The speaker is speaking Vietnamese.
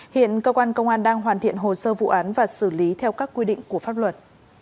hiện cơ quan công an đang hoàn thiện hồ sơ vụ án và xử lý theo các quy định của pháp luật